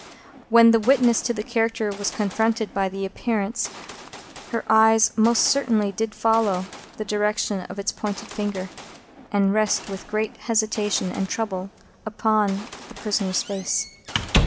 When the witness to character was confronted by the Appearance, her eyes most certainly did follow the direction of its pointed finger, and rest in great hesitation and trouble upon the prisoner's face.